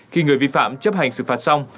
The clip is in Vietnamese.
khi người vi phạm chấp hành xử phạt xong